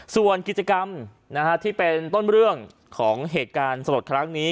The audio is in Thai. ส่วนกิจกรรมที่เป็นต้นเรื่องของเหตุการณ์สลดครั้งนี้